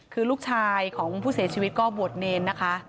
คือลูกชายของผู้เสียชีวิตก็บวชเนรนะคะ